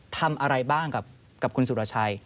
ทำอะไรบ้างกับคุณสุรชัย